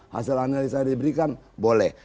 hasil analisa yang diberikan boleh